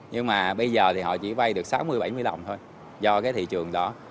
nhưng mà bây giờ thì họ chỉ vay được sáu mươi bảy mươi đồng thôi do cái thị trường đó